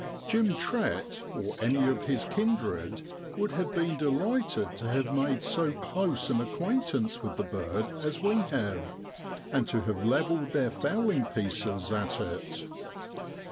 Jim Trett, or any of his kindred, would have been delighted to have made so close an acquaintance with the bird as we have, and to have levelled their fowling pieces at it.